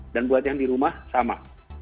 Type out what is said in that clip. dan buat yang di rumah sama